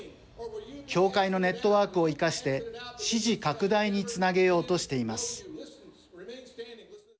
教会のネットワークを生かして支持拡大につなげようとしています。